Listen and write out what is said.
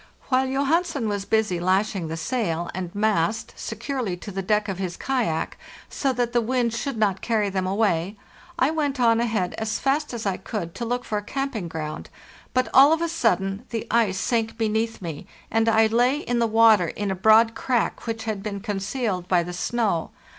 While Johansen was busy lashing the sail and mast securely to the deck of his kayak, so that the wind should not carry them away, I went on ahead as fast as I could to look for a camping ground; but all of a sudden the ice sank beneath me, and I lay in the water in a broad crack which had been concealed by the snow.